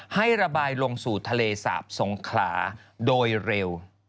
ให้ระบายลงสู่ทะเลสาบสงขลาโดยเร็ว